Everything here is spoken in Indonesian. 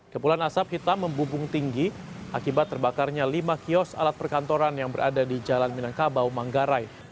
kepulan asap hitam membubung tinggi akibat terbakarnya lima kios alat perkantoran yang berada di jalan minangkabau manggarai